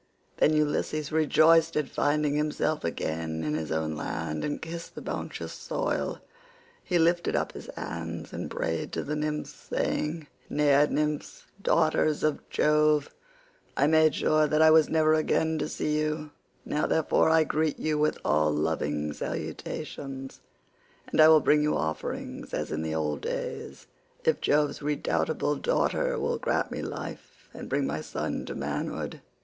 Then Ulysses rejoiced at finding himself again in his own land, and kissed the bounteous soil; he lifted up his hands and prayed to the nymphs, saying, "Naiad nymphs, daughters of Jove, I made sure that I was never again to see you, now therefore I greet you with all loving salutations, and I will bring you offerings as in the old days, if Jove's redoubtable daughter will grant me life, and bring my son to manhood."